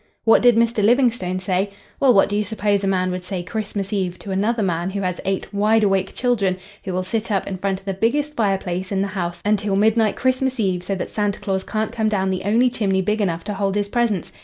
—"'What did Mr. Livingstone say?'—Well, what do you suppose a man would say Christmas Eve to another man who has eight wide awake children who will sit up in front of the biggest fire place in the house until midnight Christmas Eve so that Santa Claus can't come down the only chimney big enough to hold his presents?